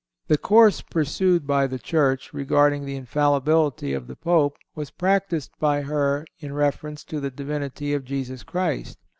The course pursued by the Church, regarding the infallibility of the Pope was practiced by her in reference to the Divinity of Jesus Christ.